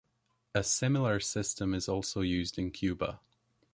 A similar system is also used in Cuba.